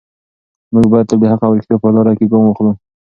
موږ باید تل د حق او ریښتیا په لاره کې ګام واخلو.